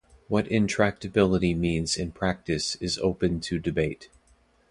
What intractability means in practice is open to debate.